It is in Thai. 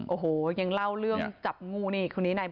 โอ้โหยังเล่าเรื่องจับงูนี่อีกครั้งนี้